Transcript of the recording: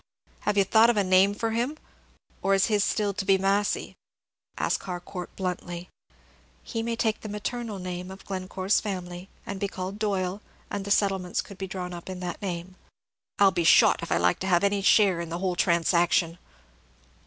"Have you thought of a name for him, or is his to be still Massy?" asked Harcourt, bluntly. "He may take the maternal name of Glencore's family, and be called Doyle, and the settlements could be drawn up in that name." "I'll be shot if I like to have any share in the whole transaction!